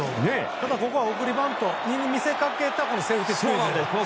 ただ、ここは送りバントに見せかけたセーフティースクイズ。